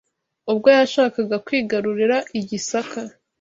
ubwo yashakaga kwigarurira I Gisaka